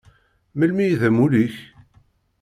Melmi i d amulli-ik?